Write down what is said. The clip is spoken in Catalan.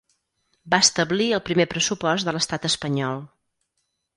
Va establir el primer pressupost de l'Estat espanyol.